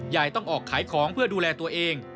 ยายต้องออกขายของเพื่อดูแลตัวเอง